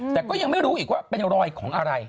แต่ก็ยังไม่รู้อีกว่าเป็นรอยของอะไร